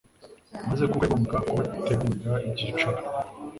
Maze kuko yagombaga kubategtuira ibyicaro,